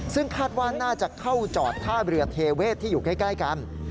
ซึ่งคาดว่าน่าจะเข้าจอดท่าเรือเทเวศที่อยู่ใกล้กัน